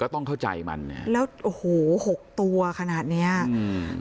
ต้องเข้าใจมันเนี้ยแล้วโอ้โหหกตัวขนาดเนี้ยอืม